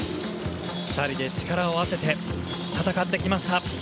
２人で力を合わせて戦ってきました。